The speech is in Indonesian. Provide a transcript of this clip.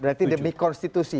berarti demi konstitusi